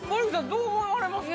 どう思われますか？